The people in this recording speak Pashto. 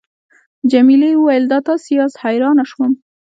جميلې وويل:: دا تاسي یاست، حیرانه شوم.